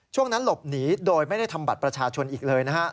นั้นหลบหนีโดยไม่ได้ทำบัตรประชาชนอีกเลยนะฮะ